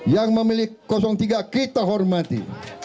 yang memiliki kosong tiga kita hormati